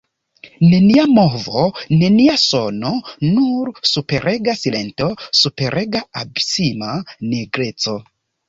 Nenia movo, nenia sono, nur superega silento, superega, abisma nigreco.